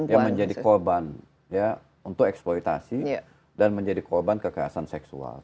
ya menjadi korban untuk eksploitasi dan menjadi korban kekerasan seksual tujuh puluh delapan